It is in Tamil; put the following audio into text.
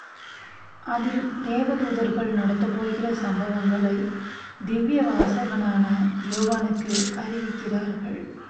அதில் தேவ தூதர்கள் நடத்தப் போகிற சம்பவங்களை திவ்ய வாசகனான யோவானுக்கு அறிவிக்கிறார்கள்.